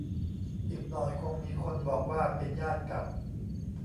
อีกหน่อยคงมีคนบอกว่า เป็นญาติกับ